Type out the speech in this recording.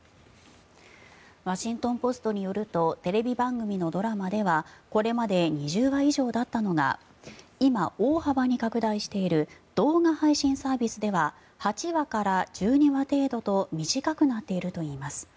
ワシントン・ポストによるとテレビ番組のドラマではこれまで２０話以上だったのが今、大幅に拡大している動画配信サービスでは８話から１２話程度と短くなっているといいます。